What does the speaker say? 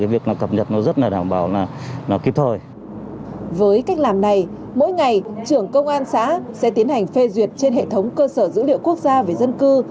với việc cách làm này mỗi ngày trưởng công an xã sẽ tiến hành phê duyệt trên hệ thống cơ sở dữ liệu quốc gia về dân cư